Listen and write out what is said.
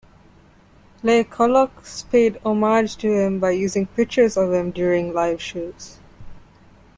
Les Colocs paid homage to him by using pictures of him during live shows.